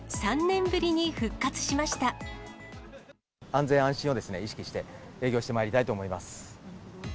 きょう、安全安心を意識して、営業してまいりたいと思います。